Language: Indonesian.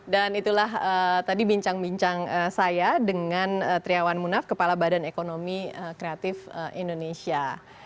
dan itulah tadi bincang bincang saya dengan treon munaf kepala badan ekonomi kreatif indonesia